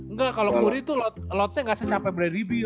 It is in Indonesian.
nggak kalau kuri tuh lotnya nggak secapek bradley bill